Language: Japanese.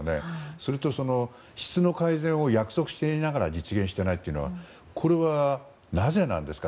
それと質の改善を約束していながら実現していないというのはなぜなんですか？